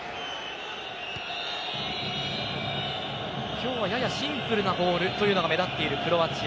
今日はややシンプルなボールが目立つクロアチア。